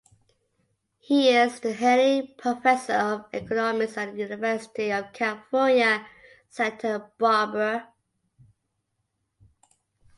He is the Henley Professor of Economics at the University of California, Santa Barbara.